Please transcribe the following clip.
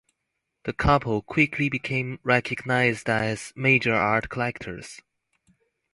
The couple quickly became recognised as major art collectors.